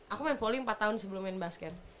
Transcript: aku main volley empat tahun sebelum main basket